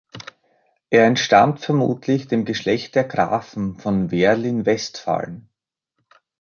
Er entstammt vermutlich dem Geschlecht der Grafen von Werl in Westfalen.